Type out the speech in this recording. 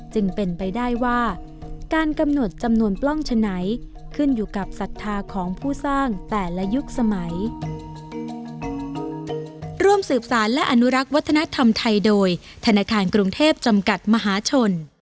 จึงเป็นไปได้ว่าการกำหนดจำนวนปล้องฉะไหนขึ้นอยู่กับศรัทธาของผู้สร้างแต่ละยุคสมัย